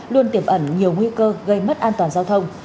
luôn tiềm ẩn nhiều nguy cơ gây mất an toàn giao thông